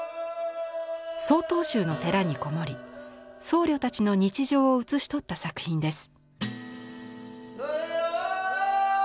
曹洞宗の寺にこもり僧侶たちの日常を写し取った作品です。